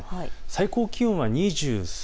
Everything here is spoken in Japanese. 最高気温は２３度。